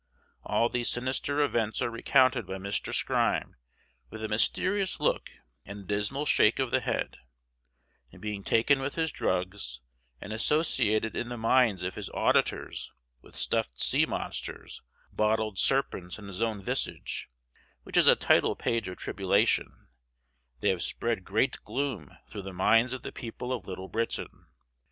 All these sinister events are recounted by Mr. Skyrme with a mysterious look and a dismal shake of the head; and being taken with his drugs, and associated in the minds of his auditors with stuffed sea monsters, bottled serpents, and his own visage, which is a title page of tribulation, they have spread great gloom through the minds of the people of Little Britain.